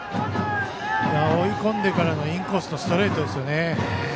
追い込んでからのインコースのストレートですよね。